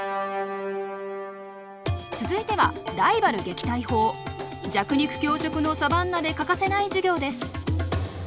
続いては弱肉強食のサバンナで欠かせない授業です。